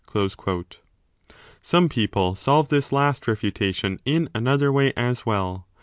1 Some people solve this last refutation in another way as well.